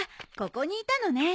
ここにいたのね。